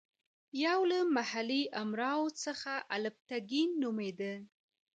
یو له محلي امراوو څخه الپتکین نومېده.